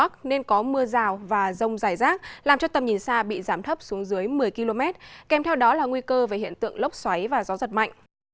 tầm nhìn xa bị giảm thấp xuống dưới một mươi km kèm theo đó là nguy cơ về hiện tượng lốc xoáy và gió giật mạnh